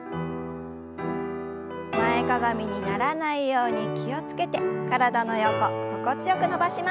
前かがみにならないように気を付けて体の横心地よく伸ばします。